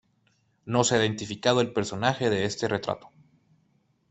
No se ha identificado al personaje de este retrato.